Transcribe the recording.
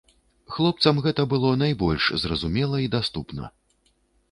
Хлопцам гэта было найбольш зразумела і даступна.